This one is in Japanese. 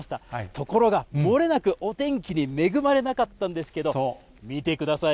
ところが、漏れなくお天気に恵まれなかったんですけど、見てください。